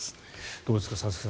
どうですか佐々木さん